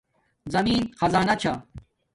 زمین خزانہ چھا